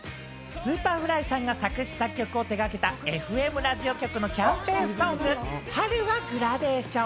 Ｓｕｐｅｒｆｌｙさんが作詞・作曲を手がけたＦＭラジオ局のキャンペーンソング、『春はグラデーション』。